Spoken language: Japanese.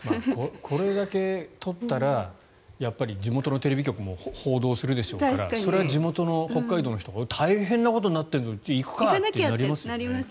これだけ取ったら地元のテレビ局も報道するでしょうからそれは地元の北海道の方大変なことになっているとじゃあ行くかってなりますよね。